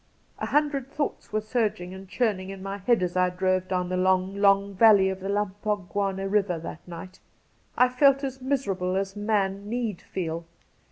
A hundred thoughts were surging and churning in my head as I drove down the long, long valley of the Lampogwana River that night. I felt as miserable as man need feel.